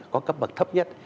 có cấp bậc thấp nhất